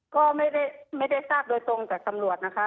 ก็ไม่ได้ทราบโดยตรงจากตำรวจนะคะ